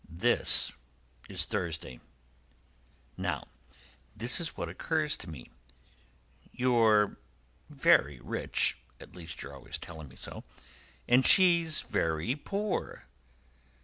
This is a Thursday. Now, this is what occurs to me: you're very rich—at least you're always telling me so—and she's very poor.